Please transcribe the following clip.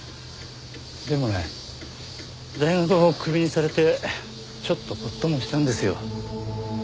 でもね大学をクビにされてちょっとホッともしたんですよ。